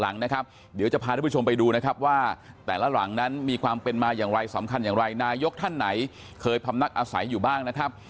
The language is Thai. หลังนะครับเดี๋ยวจะพาทุกผู้ชมไปดูนะครับว่าแต่ละหลังนั้นมีความเป็นมาอย่างไรสำคัญอย่างไรนายกท่านไหนเคยพำนักอาศัยอยู่บ้างนะครับ